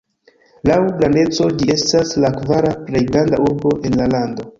Laŭ grandeco ĝi estas la kvara plej granda urbo en la lando.